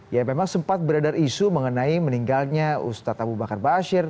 ya memang sempat berada isu mengenai meninggalnya ustadz abu bakar ba'asyir